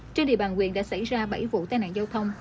trên địa bàn quyền đã xảy ra bảy vụ tai nạn giao thông